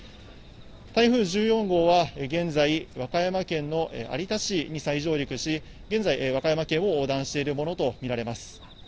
台風１４号は現在、和歌山県の有田市に再上陸し、現在、和歌山県を横断しているものと見られます。